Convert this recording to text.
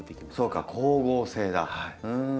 そうか光合成だ。